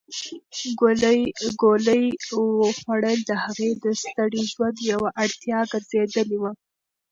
ګولۍ خوړل د هغې د ستړي ژوند یوه اړتیا ګرځېدلې وه.